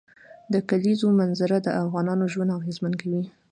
د کلیزو منظره د افغانانو ژوند اغېزمن کوي.